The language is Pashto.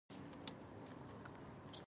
آیا دوی په نړیوالو پریکړو کې برخه نلري؟